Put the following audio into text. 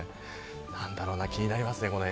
なんだろうな気になりますね。